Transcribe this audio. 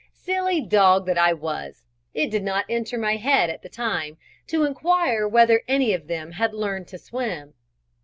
Silly dog that I was! it did not enter my head at the same time to inquire whether any of them had learnt to swim.